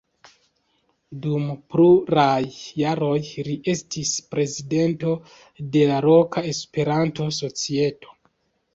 Dum pluraj jaroj li estis prezidanto de la loka Esperanto-societo.